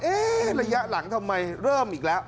ระยะหลังทำไมเริ่มอีกแล้ว